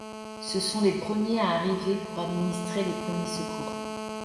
Ce sont les premiers à arriver pour administrer les premiers secours.